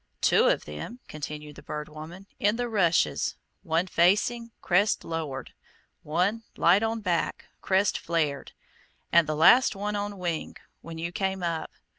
"Two of them," continued the Bird Woman, "in the rushes one facing, crest lowered; one light on back, crest flared; and the last on wing, when you came up.